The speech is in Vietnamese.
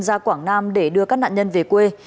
ra quảng nam để đưa các nạn nhân về quê